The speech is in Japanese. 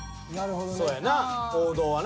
そうやな王道はな。